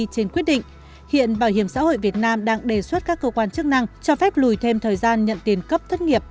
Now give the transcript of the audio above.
trên quyết định hiện bảo hiểm xã hội việt nam đang đề xuất các cơ quan chức năng cho phép lùi thêm thời gian nhận tiền cấp thất nghiệp